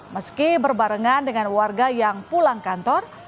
meski berbarengan dengan warga yang pulang kantor